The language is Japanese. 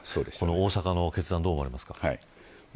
大阪の決断、どう思われますか。